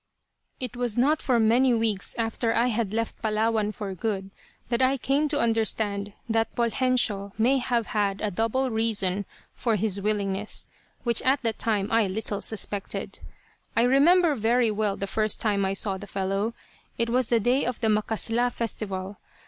It was not for many weeks after I had left Palawan for good, that I came to understand that Poljensio may have had a double reason for his willingness, which at the time I little suspected. I remember very well the first time I saw the fellow. It was the day of the "macasla" festival.